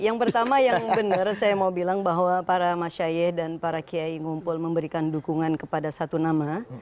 yang pertama yang benar saya mau bilang bahwa para masyaye dan para kiai ngumpul memberikan dukungan kepada satu nama